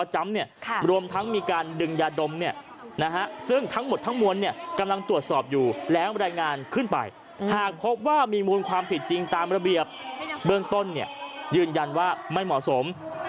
หากพบว่ามีมูลความผิดจริงตามระเบียบเบื้องต้นเนี่ยยืนยันว่าไม่เหมาะสม